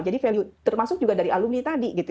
jadi value termasuk juga dari alumni tadi